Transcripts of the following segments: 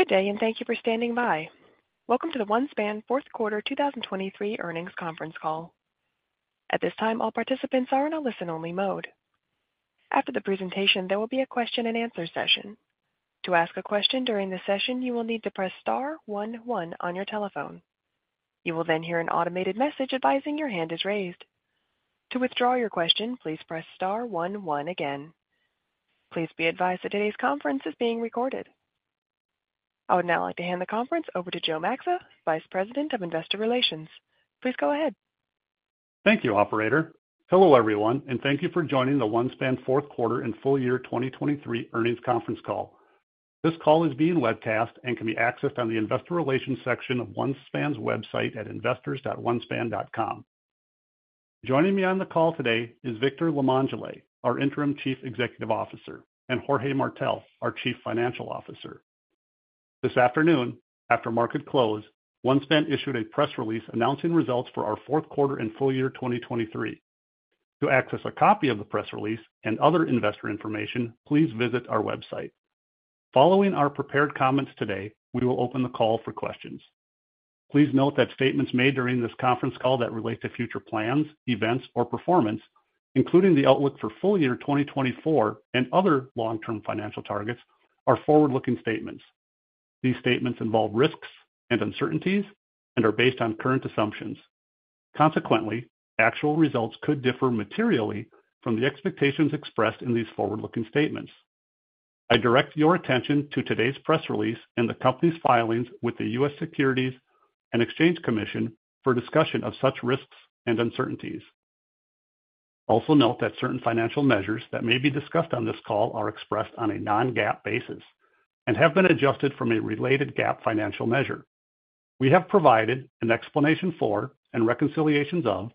Good day, and thank you for standing by. Welcome to the OneSpan fourth quarter 2023 earnings conference call. At this time, all participants are in a listen-only mode. After the presentation, there will be a question-and-answer session. To ask a question during the session, you will need to press star one one on your telephone. You will then hear an automated message advising your hand is raised. To withdraw your question, please press star one one again. Please be advised that today's conference is being recorded. I would now like to hand the conference over to Joe Maxa, Vice President of Investor Relations. Please go ahead. Thank you, Operator. Hello everyone, and thank you for joining the OneSpan fourth quarter and full year 2023 earnings conference call. This call is being webcast and can be accessed on the Investor Relations section of OneSpan's website at investors.onespan.com. Joining me on the call today is Victor Limongelli, our Interim Chief Executive Officer, and Jorge Martell, our Chief Financial Officer. This afternoon, after market close, OneSpan issued a press release announcing results for our fourth quarter and full year 2023. To access a copy of the press release and other investor information, please visit our website. Following our prepared comments today, we will open the call for questions. Please note that statements made during this conference call that relate to future plans, events, or performance, including the outlook for full year 2024 and other long-term financial targets, are forward-looking statements. These statements involve risks and uncertainties and are based on current assumptions. Consequently, actual results could differ materially from the expectations expressed in these forward-looking statements. I direct your attention to today's press release and the company's filings with the U.S. Securities and Exchange Commission for discussion of such risks and uncertainties. Also note that certain financial measures that may be discussed on this call are expressed on a non-GAAP basis and have been adjusted from a related GAAP financial measure. We have provided an explanation for and reconciliations of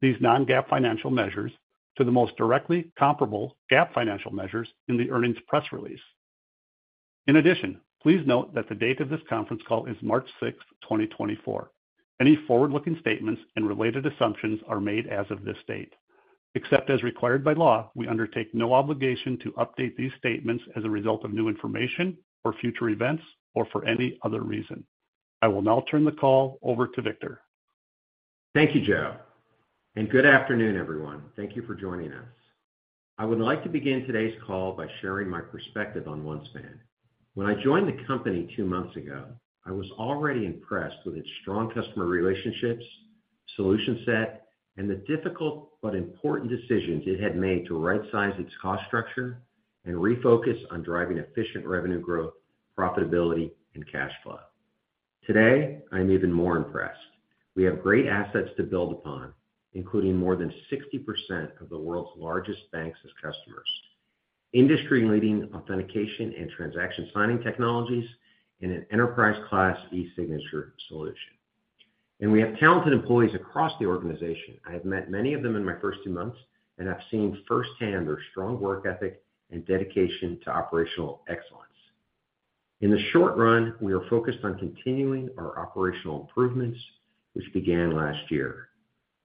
these non-GAAP financial measures to the most directly comparable GAAP financial measures in the earnings press release. In addition, please note that the date of this conference call is March 6th, 2024. Any forward-looking statements and related assumptions are made as of this date. Except as required by law, we undertake no obligation to update these statements as a result of new information or future events or for any other reason. I will now turn the call over to Victor. Thank you, Joe. Good afternoon, everyone. Thank you for joining us. I would like to begin today's call by sharing my perspective on OneSpan. When I joined the company two months ago, I was already impressed with its strong customer relationships, solution set, and the difficult but important decisions it had made to right-size its cost structure and refocus on driving efficient revenue growth, profitability, and cash flow. Today, I am even more impressed. We have great assets to build upon, including more than 60% of the world's largest banks as customers, industry-leading authentication and transaction signing technologies, and an enterprise-class e-signature solution. We have talented employees across the organization. I have met many of them in my first two months and have seen firsthand their strong work ethic and dedication to operational excellence. In the short run, we are focused on continuing our operational improvements, which began last year.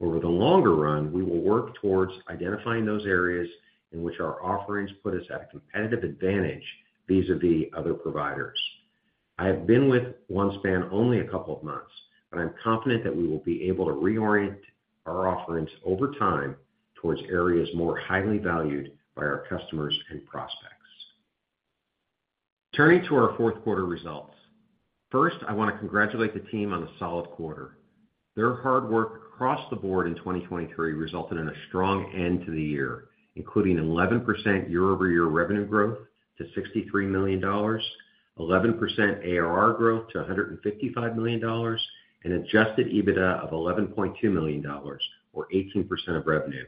Over the longer run, we will work towards identifying those areas in which our offerings put us at a competitive advantage vis-à-vis other providers. I have been with OneSpan only a couple of months, but I'm confident that we will be able to reorient our offerings over time towards areas more highly valued by our customers and prospects. Turning to our fourth quarter results. First, I want to congratulate the team on a solid quarter. Their hard work across the board in 2023 resulted in a strong end to the year, including 11% year-over-year revenue growth to $63 million, 11% ARR growth to $155 million, and Adjusted EBITDA of $11.2 million or 18% of revenue,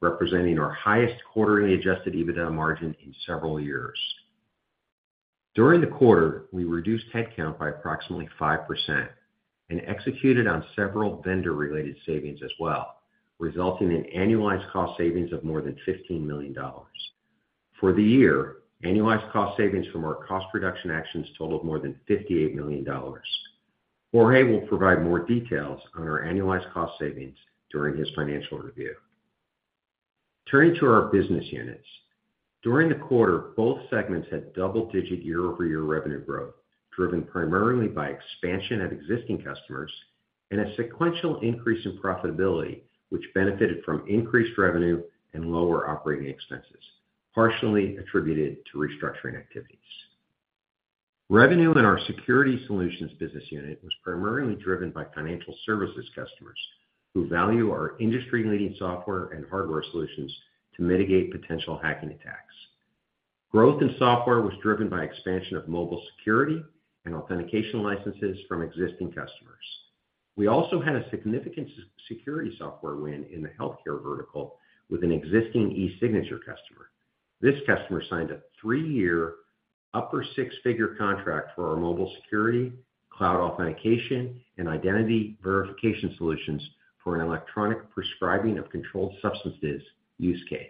representing our highest quarterly Adjusted EBITDA margin in several years. During the quarter, we reduced headcount by approximately 5% and executed on several vendor-related savings as well, resulting in annualized cost savings of more than $15 million. For the year, annualized cost savings from our cost reduction actions totaled more than $58 million. Jorge will provide more details on our annualized cost savings during his financial review. Turning to our business units. During the quarter, both segments had double-digit year-over-year revenue growth, driven primarily by expansion of existing customers and a sequential increase in profitability, which benefited from increased revenue and lower operating expenses, partially attributed to restructuring activities. Revenue in our Security Solutions business unit was primarily driven by financial services customers who value our industry-leading software and hardware solutions to mitigate potential hacking attacks. Growth in software was driven by expansion of mobile security and authentication licenses from existing customers. We also had a significant security software win in the healthcare vertical with an existing e-signature customer. This customer signed a three-year, upper-six-figure contract for our mobile security, cloud authentication, and identity verification solutions for an electronic prescribing of controlled substances use case.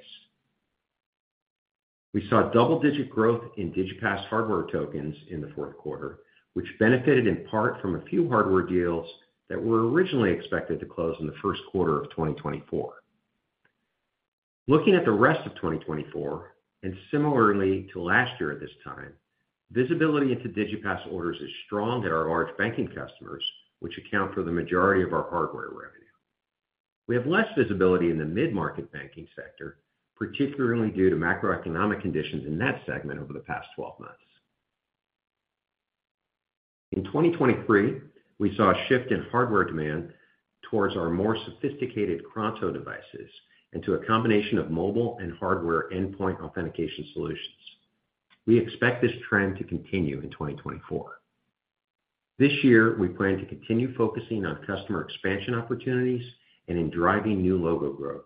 We saw double-digit growth in Digipass hardware tokens in the fourth quarter, which benefited in part from a few hardware deals that were originally expected to close in the first quarter of 2024. Looking at the rest of 2024, and similarly to last year at this time, visibility into Digipass orders is strong at our large banking customers, which account for the majority of our hardware revenue. We have less visibility in the mid-market banking sector, particularly due to macroeconomic conditions in that segment over the past 12 months. In 2023, we saw a shift in hardware demand towards our more sophisticated Cronto devices and to a combination of mobile and hardware endpoint authentication solutions. We expect this trend to continue in 2024. This year, we plan to continue focusing on customer expansion opportunities and in driving new logo growth.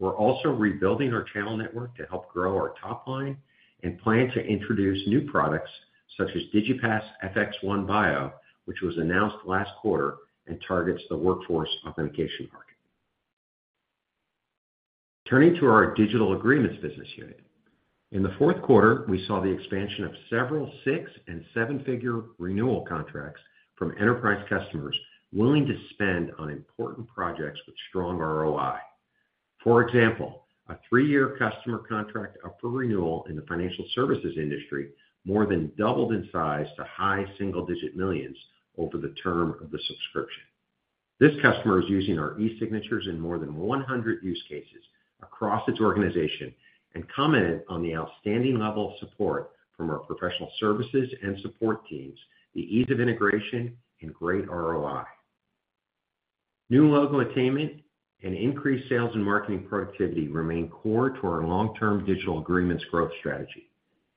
We're also rebuilding our channel network to help grow our top line and plan to introduce new products such as Digipass FX1 BIO, which was announced last quarter and targets the workforce authentication market. Turning to our Digital Agreements business unit. In the fourth quarter, we saw the expansion of several six- and seven-figure renewal contracts from enterprise customers willing to spend on important projects with strong ROI. For example, a three-year customer contract up for renewal in the financial services industry more than doubled in size to high single-digit millions over the term of the subscription. This customer is using our e-signatures in more than 100 use cases across its organization and commented on the outstanding level of support from our professional services and support teams, the ease of integration, and great ROI. New logo attainment and increased sales and marketing productivity remain core to our long-term Digital Agreements growth strategy.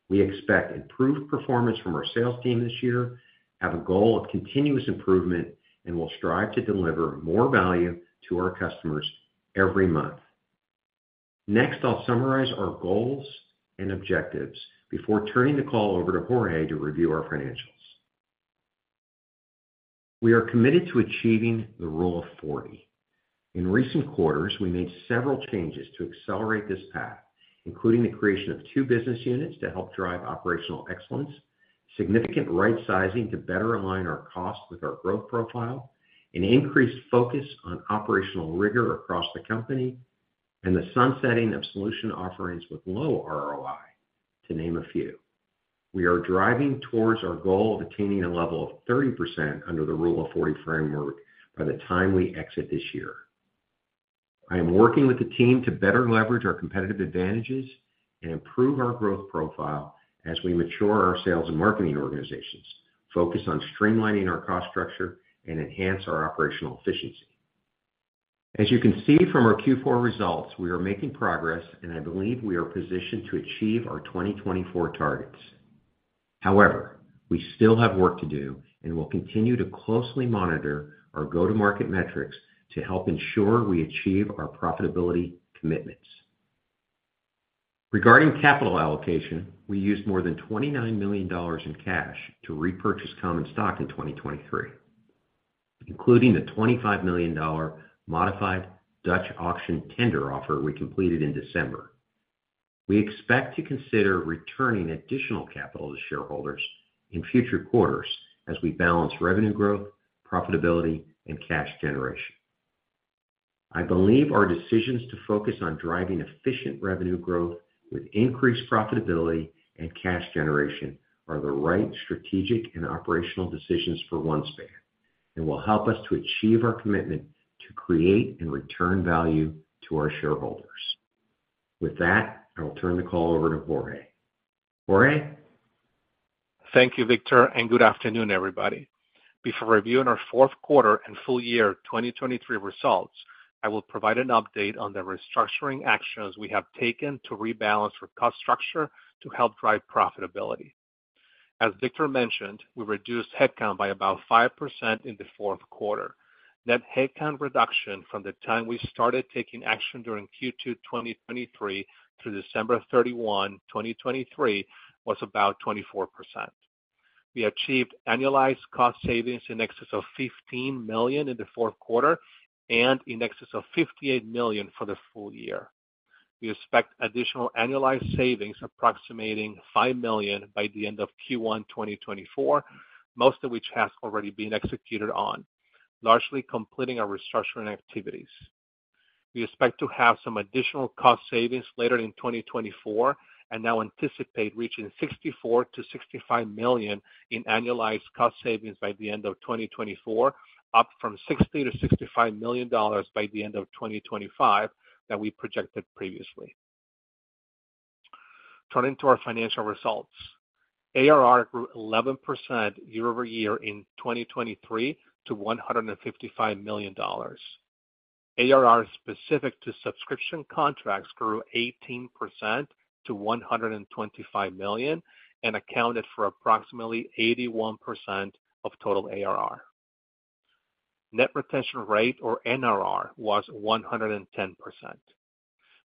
We expect improved performance from our sales team this year, have a goal of continuous improvement, and will strive to deliver more value to our customers every month. Next, I'll summarize our goals and objectives before turning the call over to Jorge to review our financials. We are committed to achieving the Rule of 40. In recent quarters, we made several changes to accelerate this path, including the creation of two business units to help drive operational excellence, significant right-sizing to better align our cost with our growth profile, an increased focus on operational rigor across the company, and the sunsetting of solution offerings with low ROI, to name a few. We are driving towards our goal of attaining a level of 30% under the Rule of 40 framework by the time we exit this year. I am working with the team to better leverage our competitive advantages and improve our growth profile as we mature our sales and marketing organizations, focus on streamlining our cost structure, and enhance our operational efficiency. As you can see from our Q4 results, we are making progress, and I believe we are positioned to achieve our 2024 targets. However, we still have work to do and will continue to closely monitor our go-to-market metrics to help ensure we achieve our profitability commitments. Regarding capital allocation, we used more than $29 million in cash to repurchase common stock in 2023, including the $25 million modified Dutch auction tender offer we completed in December. We expect to consider returning additional capital to shareholders in future quarters as we balance revenue growth, profitability, and cash generation. I believe our decisions to focus on driving efficient revenue growth with increased profitability and cash generation are the right strategic and operational decisions for OneSpan and will help us to achieve our commitment to create and return value to our shareholders. With that, I will turn the call over to Jorge. Jorge? Thank you, Victor, and good afternoon, everybody. Before reviewing our fourth quarter and full year 2023 results, I will provide an update on the restructuring actions we have taken to rebalance our cost structure to help drive profitability. As Victor mentioned, we reduced headcount by about 5% in the fourth quarter. Net headcount reduction from the time we started taking action during Q2 2023 through December 31, 2023, was about 24%. We achieved annualized cost savings in excess of $15 million in the fourth quarter and in excess of $58 million for the full year. We expect additional annualized savings approximating $5 million by the end of Q1 2024, most of which has already been executed on, largely completing our restructuring activities. We expect to have some additional cost savings later in 2024 and now anticipate reaching $64 million-$65 million in annualized cost savings by the end of 2024, up from $60 million-$65 million by the end of 2025 that we projected previously. Turning to our financial results. ARR grew 11% year-over-year in 2023 to $155 million. ARR specific to subscription contracts grew 18% to $125 million and accounted for approximately 81% of total ARR. Net retention rate, or NRR, was 110%.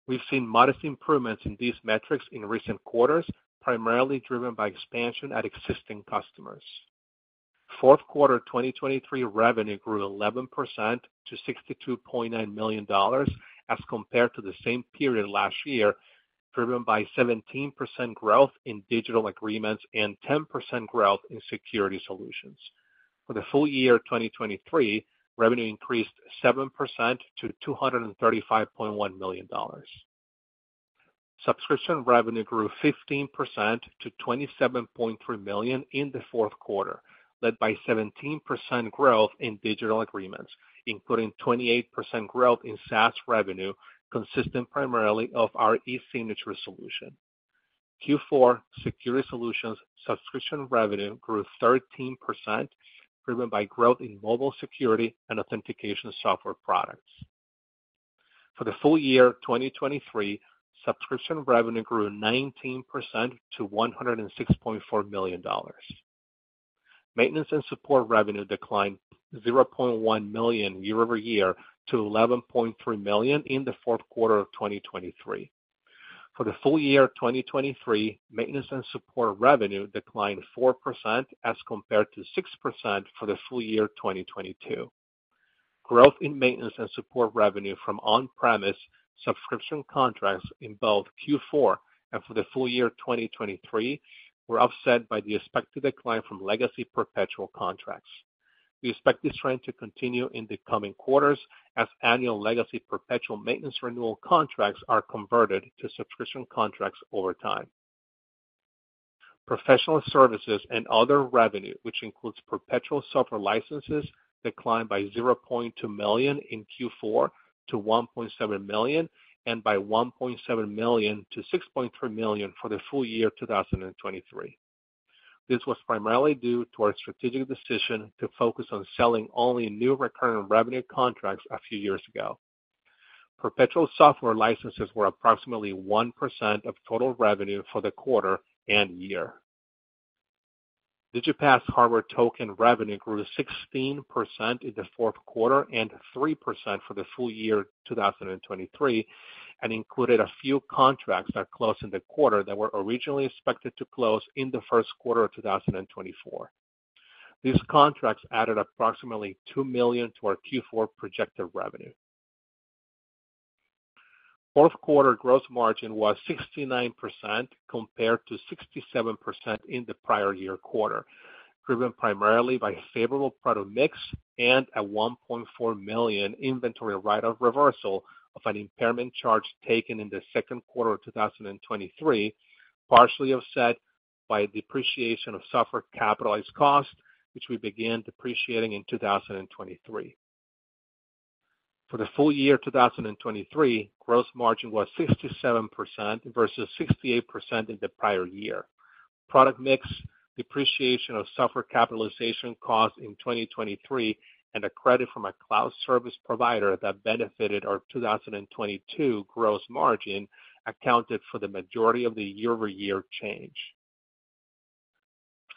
We've seen modest improvements in these metrics in recent quarters, primarily driven by expansion at existing customers. Fourth quarter 2023 revenue grew 11% to $62.9 million as compared to the same period last year, driven by 17% growth in Digital Agreements and 10% growth in security solutions. For the full year 2023, revenue increased 7% to $235.1 million. Subscription revenue grew 15% to $27.3 million in the fourth quarter, led by 17% growth in Digital Agreements, including 28% growth in SaaS revenue, consistent primarily of our e-signature solution. Q4 security solutions subscription revenue grew 13%, driven by growth in mobile security and authentication software products. For the full year 2023, subscription revenue grew 19% to $106.4 million. Maintenance and support revenue declined $0.1 million year-over-year to $11.3 million in the fourth quarter of 2023. For the full year 2023, maintenance and support revenue declined 4% as compared to 6% for the full year 2022. Growth in maintenance and support revenue from on-premise subscription contracts in both Q4 and for the full year 2023 were offset by the expected decline from legacy perpetual contracts. We expect this trend to continue in the coming quarters as annual legacy perpetual maintenance renewal contracts are converted to subscription contracts over time. Professional services and other revenue, which includes perpetual software licenses, declined by $0.2 million in Q4 to $1.7 million and by $1.7 million-$6.3 million for the full year 2023. This was primarily due to our strategic decision to focus on selling only new recurring revenue contracts a few years ago. Perpetual software licenses were approximately 1% of total revenue for the quarter and year. Digipass hardware token revenue grew 16% in the fourth quarter and 3% for the full year 2023 and included a few contracts that closed in the quarter that were originally expected to close in the first quarter of 2024. These contracts added approximately $2 million to our Q4 projected revenue. Fourth quarter gross margin was 69% compared to 67% in the prior year quarter, driven primarily by a favorable product mix and a $1.4 million inventory write-off reversal of an impairment charge taken in the second quarter of 2023, partially offset by a depreciation of software capitalized cost, which we began depreciating in 2023. For the full year 2023, gross margin was 67% versus 68% in the prior year. Product mix, depreciation of software capitalization cost in 2023, and a credit from a cloud service provider that benefited our 2022 gross margin accounted for the majority of the year-over-year change.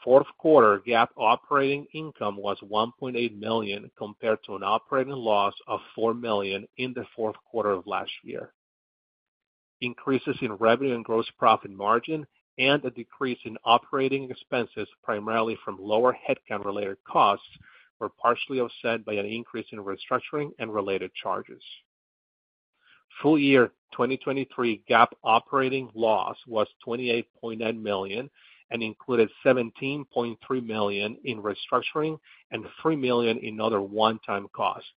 Fourth quarter GAAP operating income was $1.8 million compared to an operating loss of $4 million in the fourth quarter of last year. Increases in revenue and gross profit margin and a decrease in operating expenses, primarily from lower headcount-related costs, were partially offset by an increase in restructuring and related charges. Full year 2023 GAAP operating loss was $28.9 million and included $17.3 million in restructuring and $3 million in other one-time costs.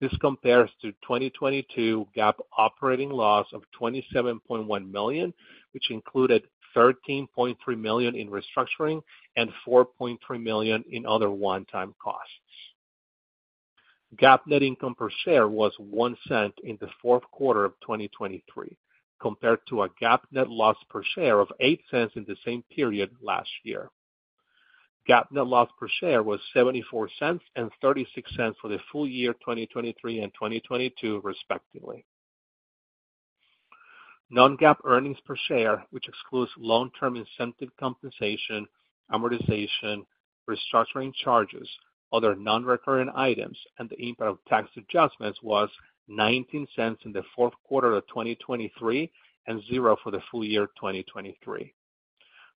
This compares to 2022 GAAP operating loss of $27.1 million, which included $13.3 million in restructuring and $4.3 million in other one-time costs. GAAP net income per share was $0.01 in the fourth quarter of 2023 compared to a GAAP net loss per share of $0.08 in the same period last year. GAAP net loss per share was $0.74 and $0.36 for the full year 2023 and 2022, respectively. Non-GAAP earnings per share, which excludes long-term incentive compensation, amortization, restructuring charges, other non-recurring items, and the impact of tax adjustments, was $0.19 in the fourth quarter of 2023 and $0.00 for the full year 2023.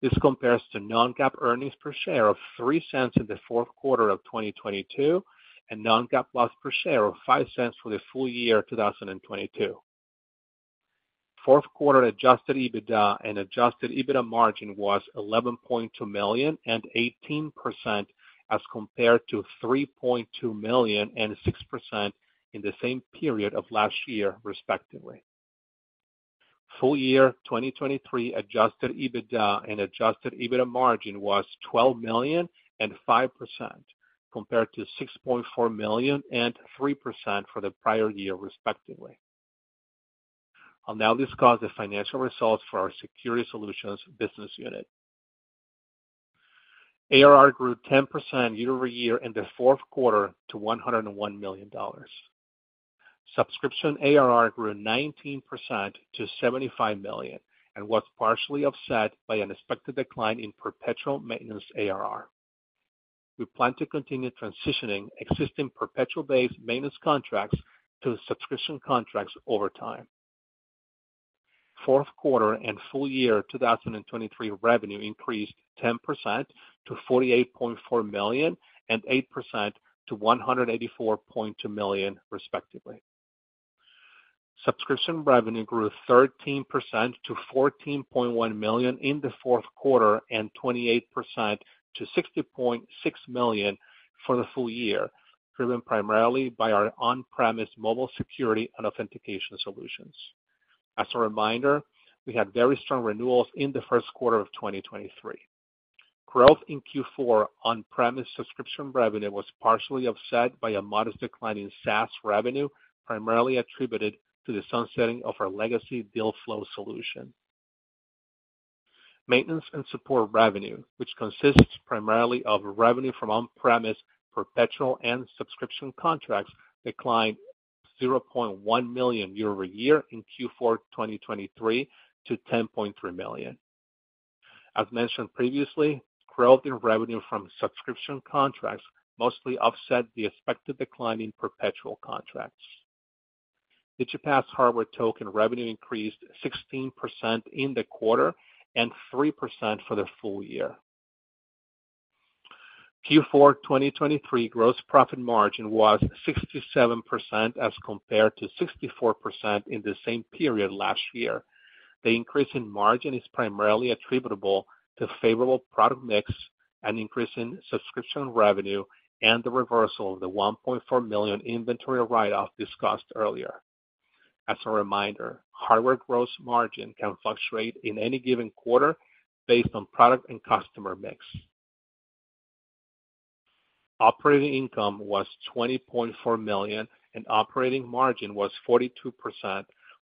This compares to non-GAAP earnings per share of $0.03 in the fourth quarter of 2022 and non-GAAP loss per share of $0.05 for the full year 2022. Fourth quarter Adjusted EBITDA and Adjusted EBITDA margin was $11.2 million and 18% as compared to $3.2 million and 6% in the same period of last year, respectively. Full year 2023 Adjusted EBITDA and Adjusted EBITDA margin was $12 million and 5% compared to $6.4 million and 3% for the prior year, respectively. I'll now discuss the financial results for our security solutions business unit. ARR grew 10% year-over-year in the fourth quarter to $101 million. Subscription ARR grew 19% to $75 million and was partially offset by an expected decline in perpetual maintenance ARR. We plan to continue transitioning existing perpetual-based maintenance contracts to subscription contracts over time. Fourth quarter and full year 2023 revenue increased 10% to $48.4 million and 8% to $184.2 million, respectively. Subscription revenue grew 13% to $14.1 million in the fourth quarter and 28% to $60.6 million for the full year, driven primarily by our on-premise mobile security and authentication solutions. As a reminder, we had very strong renewals in the first quarter of 2023. Growth in Q4 on-premise subscription revenue was partially offset by a modest decline in SaaS revenue, primarily attributed to the sunsetting of our legacy Dealflo solution. Maintenance and support revenue, which consists primarily of revenue from on-premise perpetual and subscription contracts, declined $0.1 million year-over-year in Q4 2023 to $10.3 million. As mentioned previously, growth in revenue from subscription contracts mostly offset the expected decline in perpetual contracts. Digipass hardware token revenue increased 16% in the quarter and 3% for the full year. Q4 2023 gross profit margin was 67% as compared to 64% in the same period last year. The increase in margin is primarily attributable to favorable product mix, an increase in subscription revenue, and the reversal of the $1.4 million inventory write-off discussed earlier. As a reminder, hardware gross margin can fluctuate in any given quarter based on product and customer mix. Operating income was $20.4 million and operating margin was 42%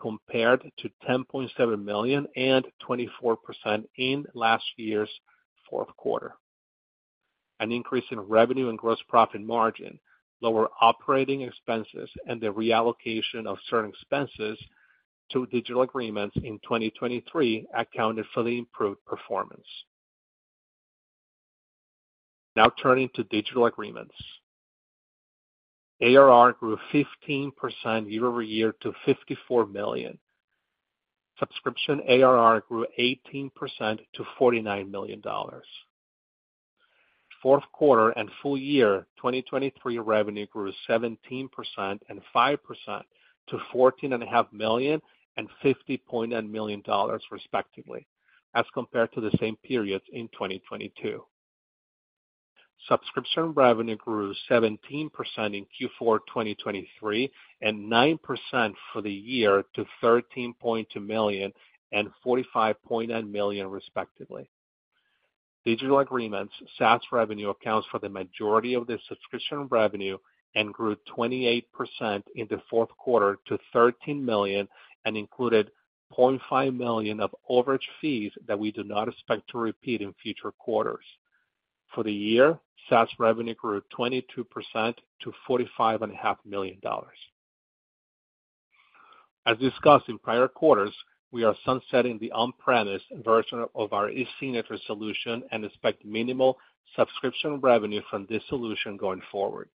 compared to $10.7 million and 24% in last year's fourth quarter. An increase in revenue and gross profit margin, lower operating expenses, and the reallocation of certain expenses to Digital Agreements in 2023 accounted for the improved performance. Now turning to Digital Agreements. ARR grew 15% year-over-year to $54 million. Subscription ARR grew 18% to $49 million. Fourth quarter and full year 2023 revenue grew 17% and 5% to $14.5 million and $50.9 million, respectively, as compared to the same period in 2022. Subscription revenue grew 17% in Q4 2023 and 9% for the year to $13.2 million and $45.9 million, respectively. Digital Agreements SaaS revenue accounts for the majority of the subscription revenue and grew 28% in the fourth quarter to $13 million and included $0.5 million of overage fees that we do not expect to repeat in future quarters. For the year, SaaS revenue grew 22% to $45.5 million. As discussed in prior quarters, we are sunsetting the on-premise version of our e-signature solution and expect minimal subscription revenue from this solution going forward.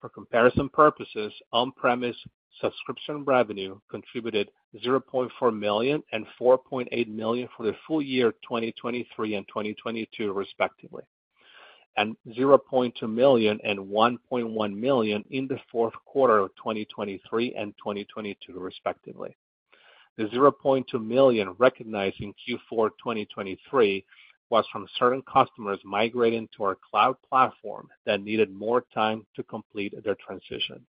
For comparison purposes, on-premise subscription revenue contributed $0.4 million and $4.8 million for the full year 2023 and 2022, respectively, and $0.2 million and $1.1 million in the fourth quarter of 2023 and 2022, respectively. The $0.2 million recognized in Q4 2023 was from certain customers migrating to our cloud platform that needed more time to complete their transition.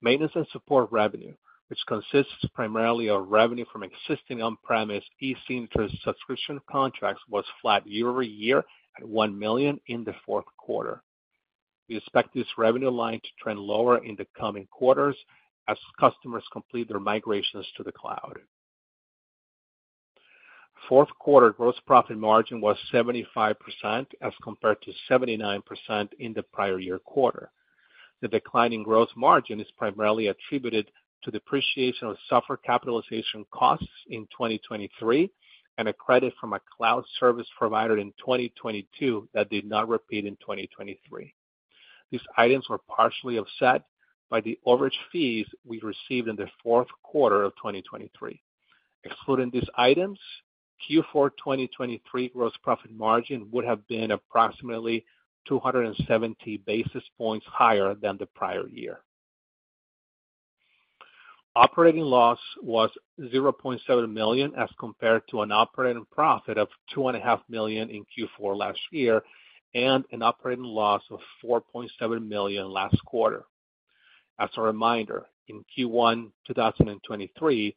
Maintenance and support revenue, which consists primarily of revenue from existing on-premise e-signature subscription contracts, was flat year-over-year at $1 million in the fourth quarter. We expect this revenue line to trend lower in the coming quarters as customers complete their migrations to the cloud. Fourth quarter gross profit margin was 75% as compared to 79% in the prior year quarter. The declining gross margin is primarily attributed to depreciation of software capitalization costs in 2023 and a credit from a cloud service provider in 2022 that did not repeat in 2023. These items were partially offset by the overage fees we received in the fourth quarter of 2023. Excluding these items, Q4 2023 gross profit margin would have been approximately 270 basis points higher than the prior year. Operating loss was $0.7 million as compared to an operating profit of $2.5 million in Q4 last year and an operating loss of $4.7 million last quarter. As a reminder, in Q1 2023,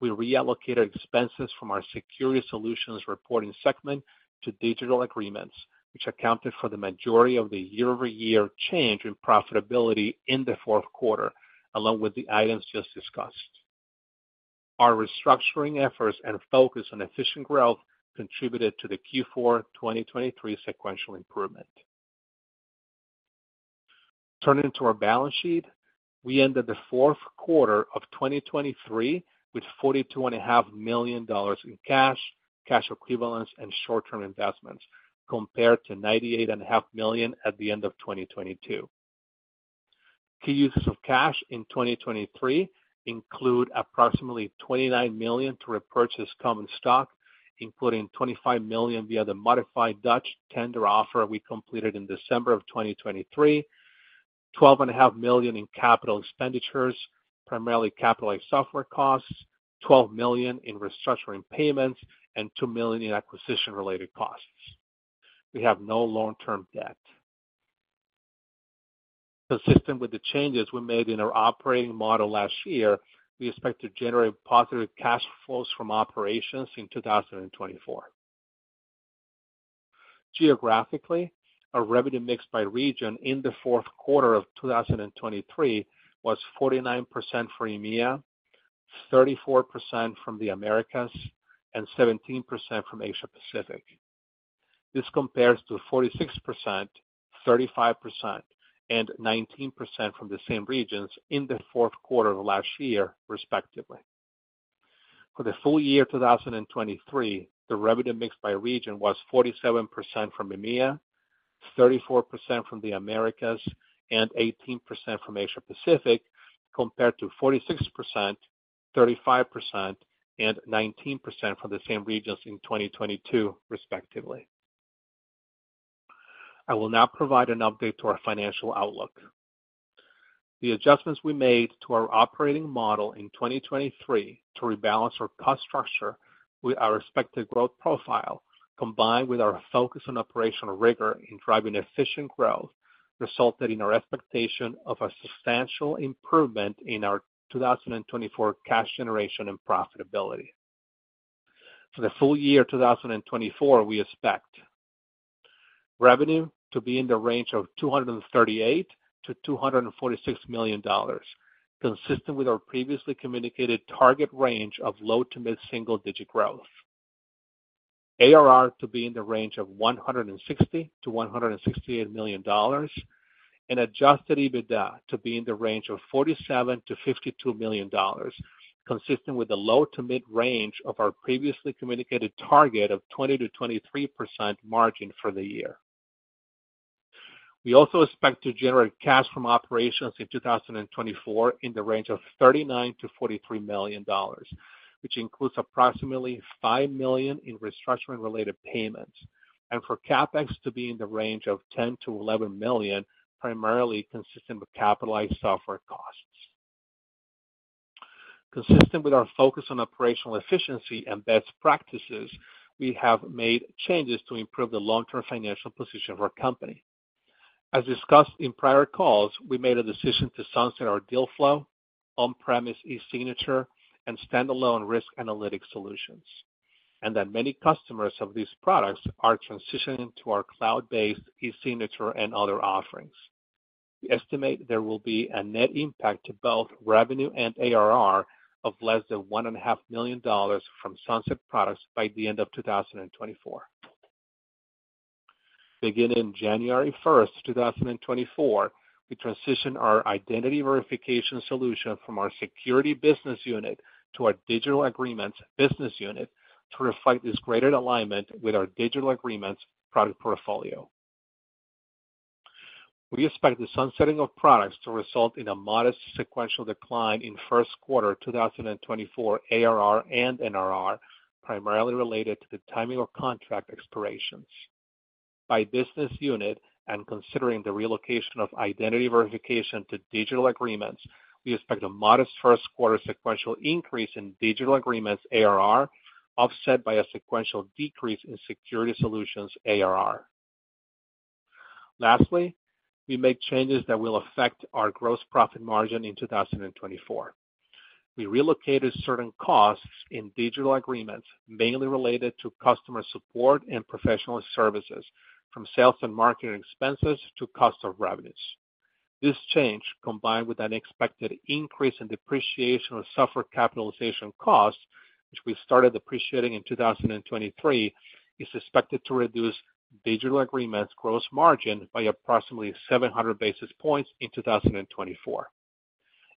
we reallocated expenses from our security solutions reporting segment to Digital Agreements, which accounted for the majority of the year-over-year change in profitability in the fourth quarter, along with the items just discussed. Our restructuring efforts and focus on efficient growth contributed to the Q4 2023 sequential improvement. Turning to our balance sheet, we ended the fourth quarter of 2023 with $42.5 million in cash, cash equivalents, and short-term investments compared to $98.5 million at the end of 2022. Key uses of cash in 2023 include approximately $29 million to repurchase common stock, including $25 million via the modified Dutch tender offer we completed in December of 2023, $12.5 million in capital expenditures, primarily capitalized software costs, $12 million in restructuring payments, and $2 million in acquisition-related costs. We have no long-term debt. Consistent with the changes we made in our operating model last year, we expect to generate positive cash flows from operations in 2024. Geographically, our revenue mix by region in the fourth quarter of 2023 was 49% from EMEA, 34% from the Americas, and 17% from Asia-Pacific. This compares to 46%, 35%, and 19% from the same regions in the fourth quarter of last year, respectively. For the full year 2023, the revenue mix by region was 47% from EMEA, 34% from the Americas, and 18% from Asia-Pacific, compared to 46%, 35%, and 19% from the same regions in 2022, respectively. I will now provide an update to our financial outlook. The adjustments we made to our operating model in 2023 to rebalance our cost structure with our expected growth profile, combined with our focus on operational rigor in driving efficient growth, resulted in our expectation of a substantial improvement in our 2024 cash generation and profitability. For the full year 2024, we expect revenue to be in the range of $238 million-$246 million, consistent with our previously communicated target range of low to mid-single-digit growth. ARR to be in the range of $160 million-$168 million, and Adjusted EBITDA to be in the range of $47 million-$52 million, consistent with the low to mid-range of our previously communicated target of 20%-23% margin for the year. We also expect to generate cash from operations in 2024 in the range of $39 million-$43 million, which includes approximately $5 million in restructuring-related payments, and for CapEx to be in the range of $10 million-$11 million, primarily consistent with capitalized software costs. Consistent with our focus on operational efficiency and best practices, we have made changes to improve the long-term financial position of our company. As discussed in prior calls, we made a decision to sunset our Dealflo, on-premise e-signature, and standalone Risk Analytics solutions, and that many customers of these products are transitioning to our cloud-based e-signature and other offerings. We estimate there will be a net impact to both revenue and ARR of less than $1.5 million from sunset products by the end of 2024. Beginning January 1, 2024, we transition our Identity Verification solution from our Security business unit to our Digital Agreements business unit to reflect this greater alignment with our Digital Agreements product portfolio. We expect the sunsetting of products to result in a modest sequential decline in first quarter 2024 ARR and NRR, primarily related to the timing of contract expirations. By business unit and considering the relocation of Identity Verification to Digital Agreements, we expect a modest first quarter sequential increase in Digital Agreements ARR, offset by a sequential decrease in Security Solutions ARR. Lastly, we make changes that will affect our gross profit margin in 2024. We relocated certain costs in Digital Agreements, mainly related to customer support and professional services, from sales and marketing expenses to cost of revenues. This change, combined with an expected increase in depreciation of software capitalization costs, which we started depreciating in 2023, is expected to reduce Digital Agreements gross margin by approximately 700 basis points in 2024.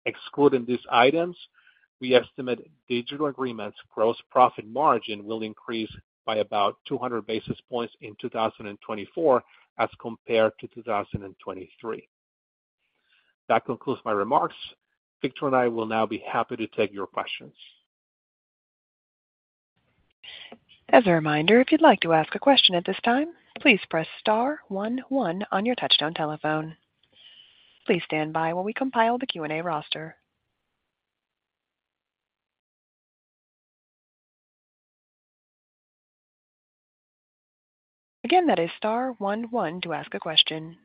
Excluding these items, we estimate Digital Agreements gross profit margin will increase by about 200 basis points in 2024 as compared to 2023. That concludes my remarks. Victor and I will now be happy to take your questions. As a reminder, if you'd like to ask a question at this time, please press star one one on your touch-tone telephone. Please stand by while we compile the Q&A roster. Again, that is star one one to ask a question.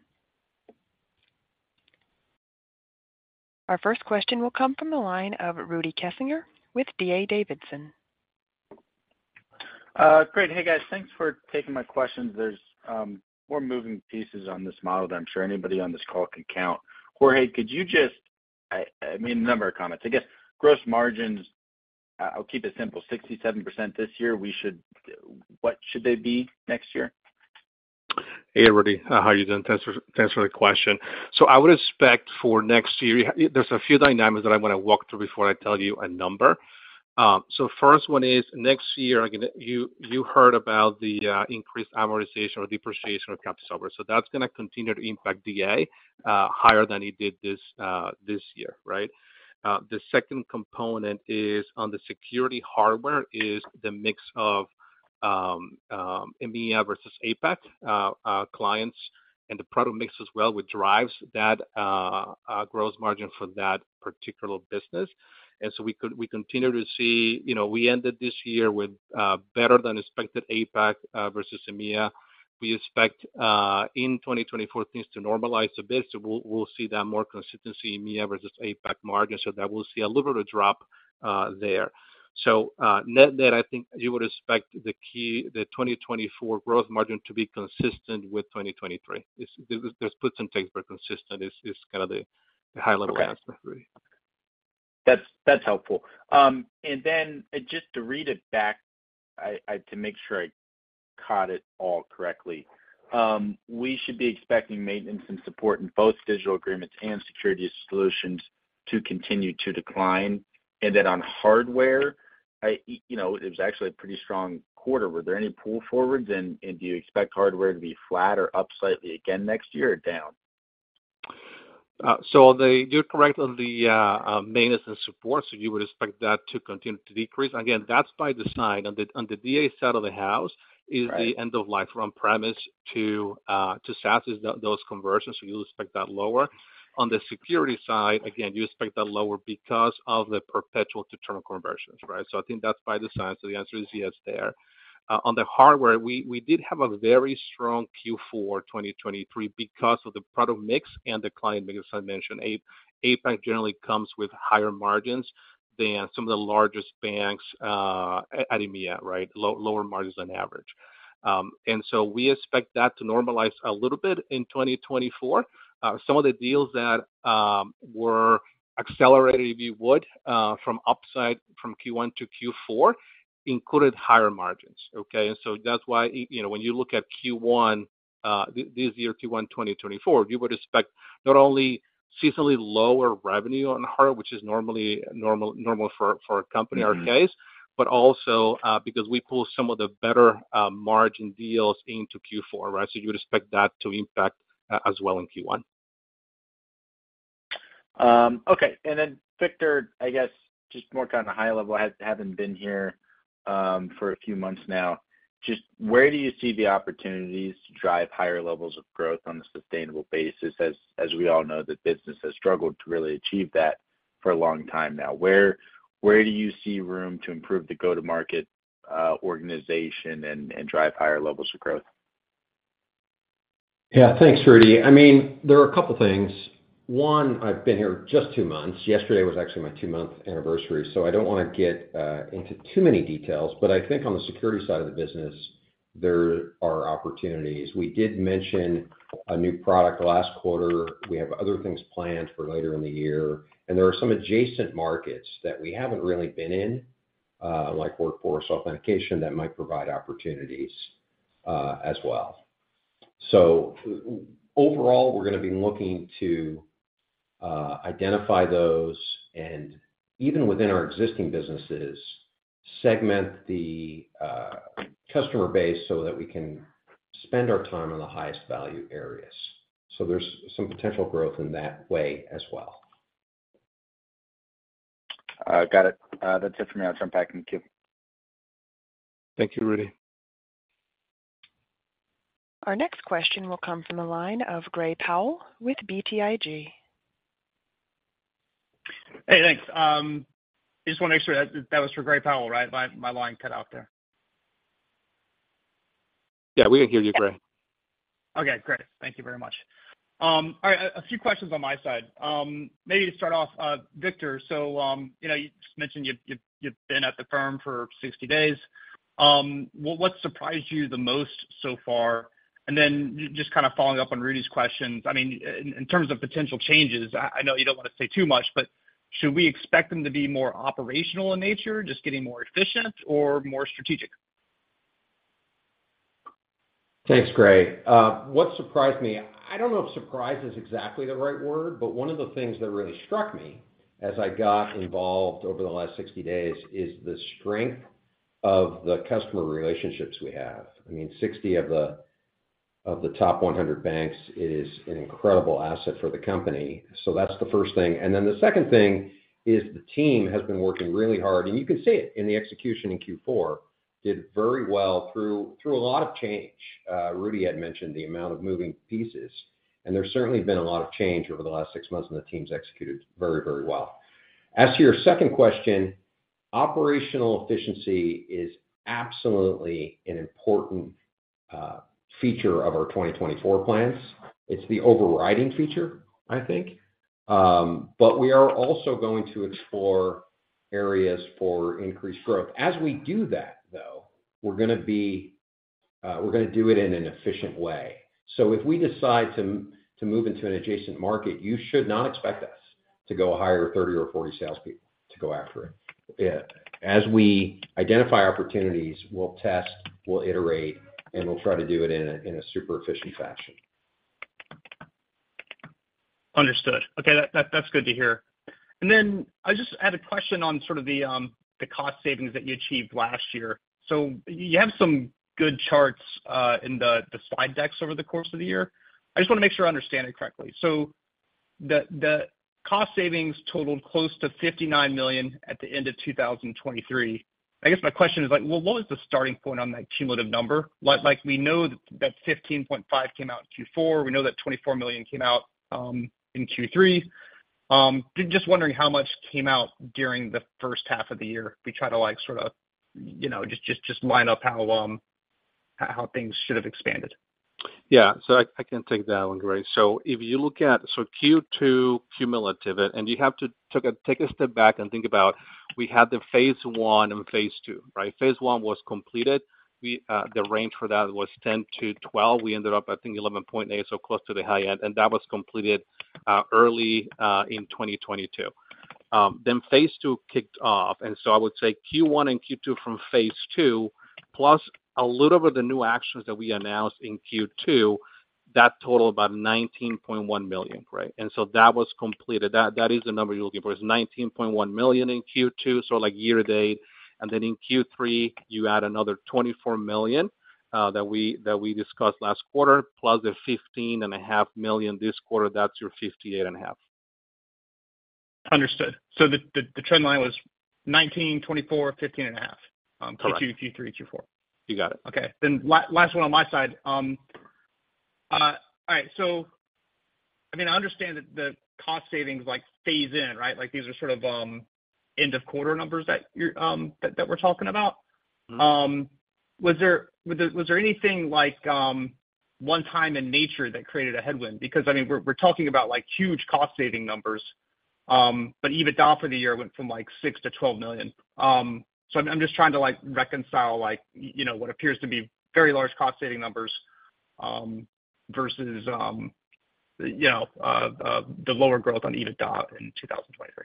Our first question will come from the line of Rudy Kessinger with D.A. Davidson. Great. Hey, guys. Thanks for taking my questions. There's more moving pieces on this model than I'm sure anybody on this call can count. Jorge, could you just—I mean, a number of comments. I guess gross margins. I'll keep it simple. 67% this year, what should they be next year? Hey, Rudy. How are you doing? Thanks for the question. So I would expect for next year there's a few dynamics that I want to walk through before I tell you a number. So first one is next year, you heard about the increased amortization or depreciation of captive software. So that's going to continue to impact DA higher than it did this year, right? The second component on the security hardware is the mix of EMEA versus APAC clients and the product mix as well with drives that gross margin for that particular business. And so we continue to see. We ended this year with better than expected APAC versus EMEA. We expect in 2024 things to normalize a bit. So we'll see that more consistency EMEA versus APAC margin. So that we'll see a little bit of drop there. So net there, I think you would expect the 2024 gross margin to be consistent with 2023. But some textbook consistent is kind of the high-level answer, Rudy. That's helpful. Then just to read it back to make sure I caught it all correctly, we should be expecting maintenance and support in both digital agreements and security solutions to continue to decline. And then on hardware, it was actually a pretty strong quarter. Were there any pull forwards? And do you expect hardware to be flat or up slightly again next year or down? So you're correct on the maintenance and support. So you would expect that to continue to decrease. Again, that's by design. On the DA side of the house, is the end-of-life from premise to SaaS is those conversions. So you'll expect that lower. On the security side, again, you expect that lower because of the perpetual to term conversions, right? So I think that's by design. So the answer is yes there. On the hardware, we did have a very strong Q4 2023 because of the product mix and the client mix as I mentioned. APAC generally comes with higher margins than some of the largest banks at EMEA, right? Lower margins on average. And so we expect that to normalize a little bit in 2024. Some of the deals that were accelerated, if you would, from upside from Q1 to Q4 included higher margins, okay? And so that's why when you look at Q1 this year, Q1 2024, you would expect not only seasonally lower revenue on hardware, which is normal for a company, our case, but also because we pull some of the better margin deals into Q4, right? So you would expect that to impact as well in Q1. Okay. And then, Victor, I guess just more kind of high level, having been here for a few months now, just where do you see the opportunities to drive higher levels of growth on a sustainable basis? As we all know, the business has struggled to really achieve that for a long time now. Where do you see room to improve the go-to-market organization and drive higher levels of growth? Yeah. Thanks, Rudy. I mean, there are a couple of things. One, I've been here just two months. Yesterday was actually my two-month anniversary. So I don't want to get into too many details. But I think on the security side of the business, there are opportunities. We did mention a new product last quarter. We have other things planned for later in the year. And there are some adjacent markets that we haven't really been in, like workforce authentication, that might provide opportunities as well. So overall, we're going to be looking to identify those and even within our existing businesses, segment the customer base so that we can spend our time on the highest value areas. So there's some potential growth in that way as well. Got it. That's it for me. I'll jump back and give. Thank you, Rudy. Our next question will come from the line of Gray Powell with BTIG. Hey, thanks. I just want to make sure that was for Gray Powell, right? My line cut off there. Yeah. We can hear you, Gray. Okay. Great. Thank you very much. All right. A few questions on my side. Maybe to start off, Victor, so you just mentioned you've been at the firm for 60 days. What surprised you the most so far? And then just kind of following up on Rudy's questions, I mean, in terms of potential changes, I know you don't want to say too much, but should we expect them to be more operational in nature, just getting more efficient, or more strategic? Thanks, Gray. What surprised me? I don't know if surprise is exactly the right word, but one of the things that really struck me as I got involved over the last 60 days is the strength of the customer relationships we have. I mean, 60 of the top 100 banks is an incredible asset for the company. So that's the first thing. And then the second thing is the team has been working really hard. And you can see it in the execution in Q4 did very well through a lot of change. Rudy had mentioned the amount of moving pieces. And there's certainly been a lot of change over the last six months, and the team's executed very, very well. As to your second question, operational efficiency is absolutely an important feature of our 2024 plans. It's the overriding feature, I think. But we are also going to explore areas for increased growth. As we do that, though, we're going to do it in an efficient way. So if we decide to move into an adjacent market, you should not expect us to go hire 30 or 40 salespeople to go after it. As we identify opportunities, we'll test, we'll iterate, and we'll try to do it in a super efficient fashion. Understood. Okay. That's good to hear. And then I just had a question on sort of the cost savings that you achieved last year. So you have some good charts in the slide decks over the course of the year. I just want to make sure I understand it correctly. So the cost savings totaled close to $59 million at the end of 2023. I guess my question is, well, what was the starting point on that cumulative number? We know that $15.5 million came out in Q4. We know that $24 million came out in Q3. Just wondering how much came out during the first half of the year if we try to sort of just line up how things should have expanded. Yeah. So I can take that one, Gray. So if you look at the Q2 cumulative, and you have to take a step back and think about we had the phase I and phase II, right? Phase I was completed. The range for that was $10 million-$12 million. We ended up, I think, $11.8 million, so close to the high end. And that was completed early in 2022. Then phase II kicked off. And so I would say Q1 and Q2 from phase II, plus a little bit of the new actions that we announced in Q2, that totaled about $19.1 million, right? And so that was completed. That is the number you're looking for. It's $19.1 million in Q2, so year to date. And then in Q3, you add another $24 million that we discussed last quarter, plus the $15.5 million this quarter, that's your $58.5 million. Understood. So the trend line was 19, 24, 15.5, Q2, Q3, Q4. You got it. Okay. Then last one on my side. All right. So I mean, I understand that the cost savings phase in, right? These are sort of end-of-quarter numbers that we're talking about. Was there anything one-time in nature that created a headwind? Because I mean, we're talking about huge cost-saving numbers, but even DOF for the year went from $6 million-$12 million. So I'm just trying to reconcile what appears to be very large cost-saving numbers versus the lower growth on EBITDA in 2023.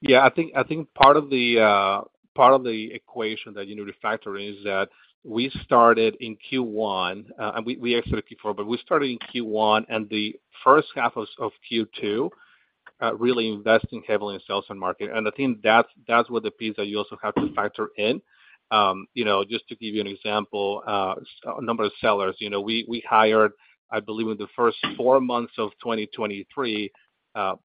Yeah. I think part of the equation that you need to factor in is that we started in Q1 and we exited Q4, but we started in Q1 and the first half of Q2 really investing heavily in sales and market. And I think that's one of the pieces that you also have to factor in. Just to give you an example, a number of sellers, we hired, I believe, in the first four months of 2023,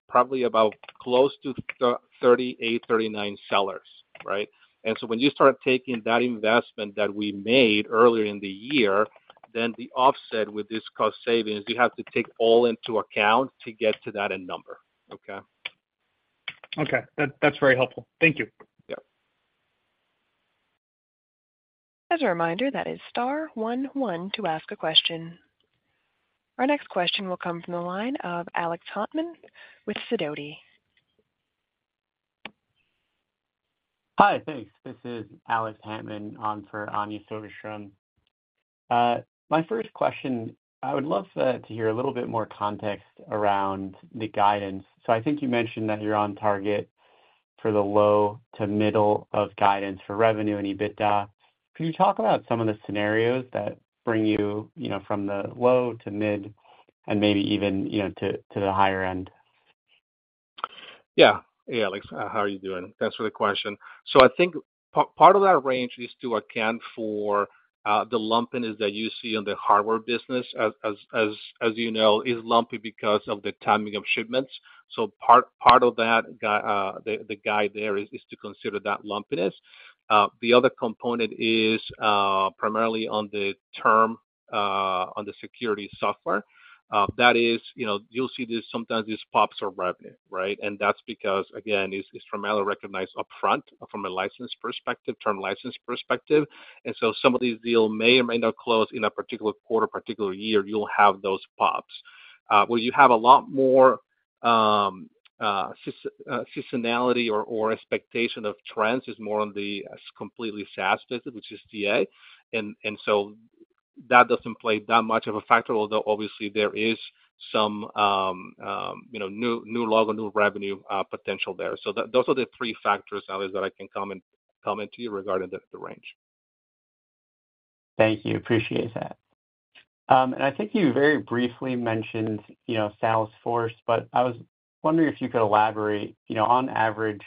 probably about close to 38, 39 sellers, right? And so when you start taking that investment that we made earlier in the year, then the offset with this cost savings, you have to take all into account to get to that number, okay? Okay. That's very helpful. Thank you. Yep. As a reminder, that is star one one to ask a question. Our next question will come from the line of Alex Hantman with Sidoti. Hi. Thanks. This is Alex Hantman for Anja Soderstrom. My first question, I would love to hear a little bit more context around the guidance. So I think you mentioned that you're on target for the low to middle of guidance for revenue and EBITDA. Could you talk about some of the scenarios that bring you from the low to mid and maybe even to the higher end? Yeah. Yeah. Alex, how are you doing? Thanks for the question. So I think part of that range is to account for the lumpiness that you see on the hardware business. As you know, it's lumpy because of the timing of shipments. So part of that, the guide there is to consider that lumpiness. The other component is primarily on the term on the security software. That is, you'll see this sometimes this pops for revenue, right? And that's because, again, it's from rev recognized upfront from a license perspective, term license perspective. And so some of these deals may or may not close in a particular quarter, particular year. You'll have those pops. Where you have a lot more seasonality or expectation of trends is more on the completely SaaS-based, which is CA. And so that doesn't play that much of a factor, although obviously, there is some new logo or new revenue potential there. So those are the three factors, Alex, that I can comment to you regarding the range. Thank you. Appreciate that. And I think you very briefly mentioned sales force, but I was wondering if you could elaborate, on average,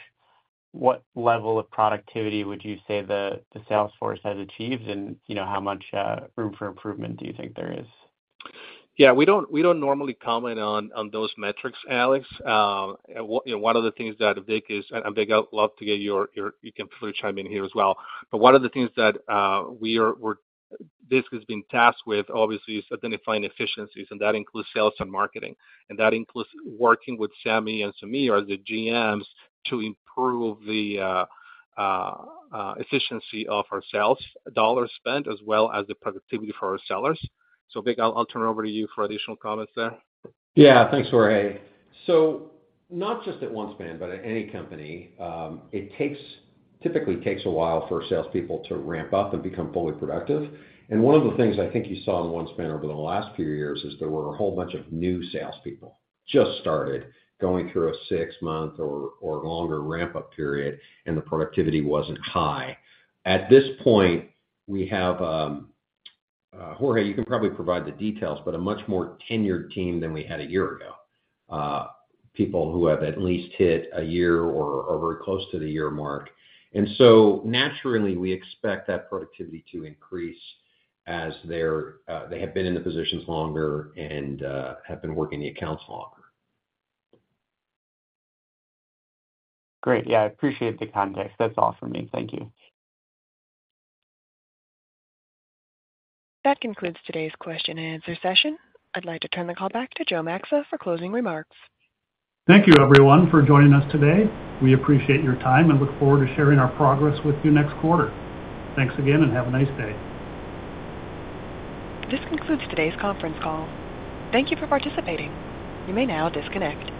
what level of productivity would you say the sales force has achieved and how much room for improvement do you think there is? Yeah. We don't normally comment on those metrics, Alex. One of the things that Vic is and Vic, I'd love to get your you can feel free to chime in here as well. But one of the things that this has been tasked with, obviously, is identifying efficiencies. And that includes sales and marketing. And that includes working with Sami and Sameer as the GMs to improve the efficiency of our sales dollar spent as well as the productivity for our sellers. So Vic, I'll turn over to you for additional comments there. Yeah. Thanks, Jorge. So not just at OneSpan, but at any company, it typically takes a while for salespeople to ramp up and become fully productive. And one of the things I think you saw in OneSpan over the last few years is there were a whole bunch of new salespeople just started going through a 6-month or longer ramp-up period, and the productivity wasn't high. At this point, we have Jorge, you can probably provide the details, but a much more tenured team than we had a year ago, people who have at least hit a year or are very close to the year mark. And so naturally, we expect that productivity to increase as they have been in the positions longer and have been working the accounts longer. Great. Yeah. I appreciate the context. That's all from me. Thank you. That concludes today's question and answer session. I'd like to turn the call back to Joe Maxa for closing remarks. Thank you, everyone, for joining us today. We appreciate your time and look forward to sharing our progress with you next quarter. Thanks again, and have a nice day. This concludes today's conference call. Thank you for participating. You may now disconnect.